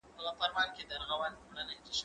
زدکړه د ښوونکي له خوا ښوول کيږي!.